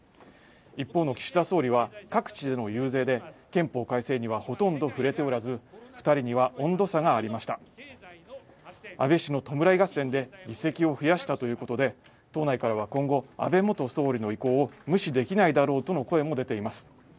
一方岸田総理は各地での遊説で憲法改正にはほとんど触れておらず二人には温度差がありました安倍氏の弔い合戦で議席を増やしたということで党内からは今後安倍元総理の意向を無視できないだろうとの声も出ています